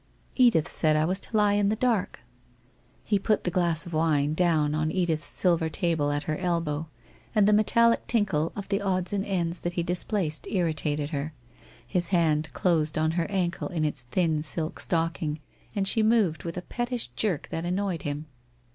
' Edith said I was to lie in the dark.' He put the glass of wine down on Edith's silver table at her elbow, and the metallic tinkle of the odds and ends that he displaced irritated her. His hand closed on her ankle in its thin silk stocking, and she moved with a pettish jerk that annoyed him.